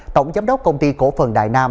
tổng giám đốc công ty cổ phần đài nam